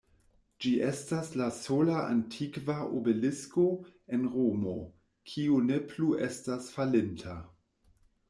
Ĝi estas la sola antikva obelisko en Romo, kiu ne plu estas falinta.